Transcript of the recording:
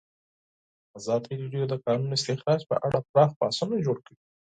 ازادي راډیو د د کانونو استخراج په اړه پراخ بحثونه جوړ کړي.